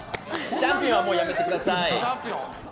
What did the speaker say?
チャンピオンはもうやめてください。